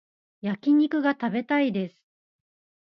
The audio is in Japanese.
焼き肉が食べたいです